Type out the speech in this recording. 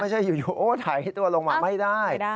อยู่โอ้ไถตัวลงมาไม่ได้